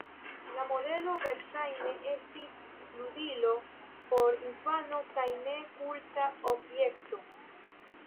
La modelo verŝajne estis ludilo por infano, kaj ne kulta objekto.